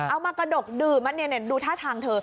มากระดกดื่มดูท่าทางเธอ